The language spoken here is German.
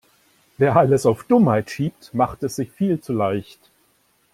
Wer alles auf Dummheit schiebt, macht es sich viel zu leicht.